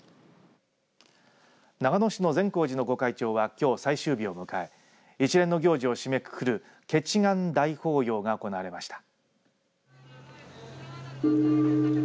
長野市の善光寺の御開帳はきょう最終日を迎え一連の行事を締めくくる結願大法要が行われました。